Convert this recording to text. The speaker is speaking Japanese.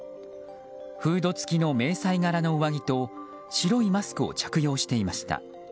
フード付きの迷彩柄の上着と白いマスクを着用していました。